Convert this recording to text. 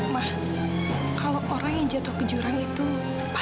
perasaan itu sengaja menghampiri gue